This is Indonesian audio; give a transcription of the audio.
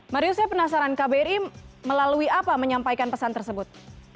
mario saya penasaran kbri melalui apa menyampaikan pesan tersebut